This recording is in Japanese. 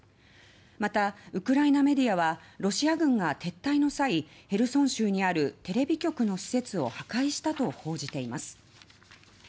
また、ウクライナメディアはロシア軍が撤退の際ヘルソン州にあるテレビ局の施設を破壊したと報じています。